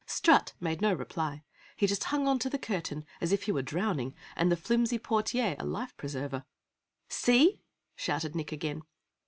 Strut made no reply. He just hung on to the curtain as if he were drowning and the flimsy portiere, a life preserver. "See!" shouted Nick again.